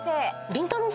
りんたろー。